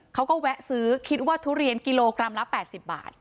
เขาก็แวะซื้อคิดว่าทุเรียนกิโลกรัมละ๘๐บาท